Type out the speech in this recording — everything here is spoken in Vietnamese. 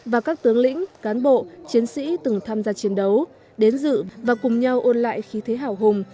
và các tướng lĩnh cán bộ chiến sĩ từng tham gia chiến đấu đến dự và cùng nhau ôn lại khí thế hào hùng